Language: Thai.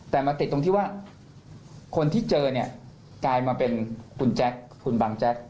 แต่มาติดตรงที่ว่าคนที่เจอเนี่ยกลายมาเป็นคุณแจ๊คคุณบังแจ๊ก